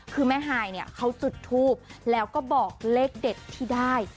คือแม่ฮายเนี่ยเขาจุดทูบแล้วก็บอกเลขเด็ดที่ได้